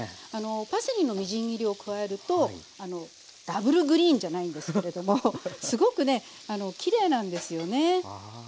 パセリのみじん切りを加えるとダブルグリーンじゃないんですけれどもすごくねきれいなんですよね。